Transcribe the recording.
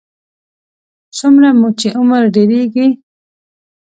څومره مو چې عمر ډېرېږي.